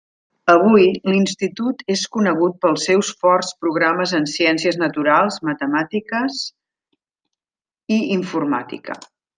Avui, l'institut és conegut pels seus forts programes en ciències naturals, matemàtiques i informàtica.